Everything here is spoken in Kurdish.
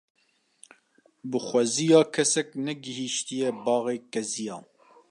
Bi xweziya kesek ranehîştiye baxê keziya